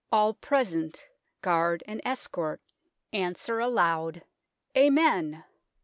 All present, guard and escort, answer a loud " Amen